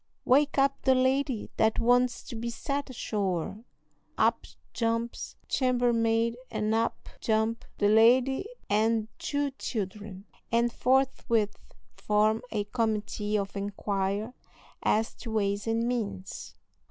wake up the lady that wants to be set ashore." Up jumps chambermaid, and up jump the lady and two children, and forthwith form a committee of inquiry as to ways and means.